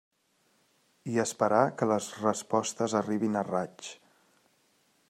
I esperar que les respostes arribin a raig.